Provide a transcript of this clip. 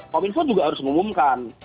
kominfo juga harus mengumumkan